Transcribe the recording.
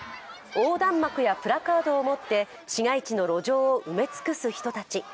横断幕やプラカードを持って市街地の路上を埋め尽くす人たち。